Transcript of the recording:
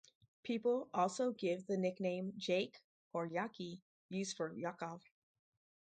People also give the nickname Jake or Yaki used for Yakov.